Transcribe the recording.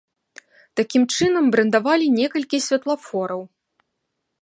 Такім чынам брэндавалі некалькі святлафораў.